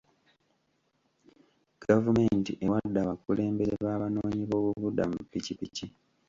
Gavumenti ewadde abakulembeze b'abanoonyi boobubudamu ppikipiki.